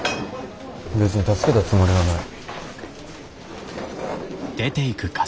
別に助けたつもりはない。